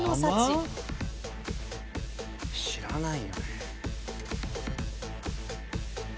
知らないよね。